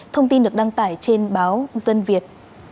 thông tin được đăng tải trên báo dân việt